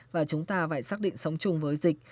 và chúng ta phải xác định sống chung với dịch